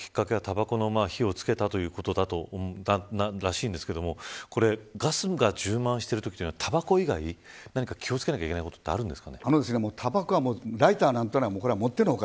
きっかけはたばこの火をつけたということらしいんですけれどもこれ、ガスが充満しているときはたばこ以外に何か気を付けないといけないものはあるんですか。